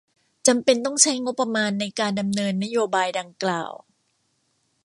จำเป็นต้องใช้งบประมาณ ในการดำเนินนโยบายดังกล่าว